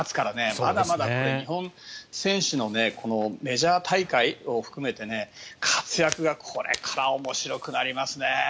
まだまだ日本選手のメジャー大会を含めて活躍がこれから面白くなりますね。